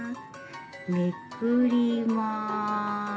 めくります。